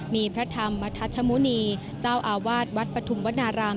มีพระธรรมทัชมุณีเจ้าอาวาสวัดปฐุมวนาราม